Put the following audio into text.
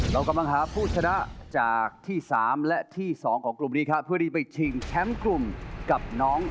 เรากำลังหาผู้ชนะจากที่สามและที่สองของกลุ่มนี้ครับ